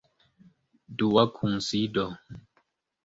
Dua kunsido.